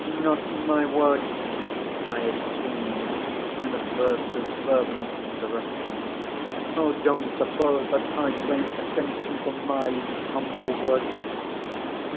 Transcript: "Not my words!" I exclaimed, in a burst of fervent interruption. "Oh, don't suppose that I claim attention for My humble words!